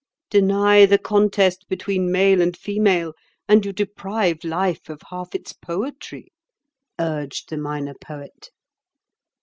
"Deny the contest between male and female, and you deprive life of half its poetry," urged the Minor Poet.